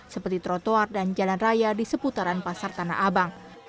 seperti trotoar dan jalan raya di seputaran pasar tanah abang